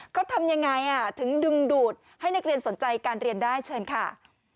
เขาทำยังไงถึงดึงดูดให้นักเรียนสนใจการเรียนได้เชิญค่ะ